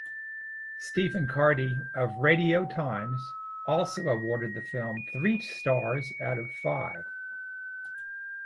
Stephen Carty of "Radio Times" also awarded the film three stars out of five.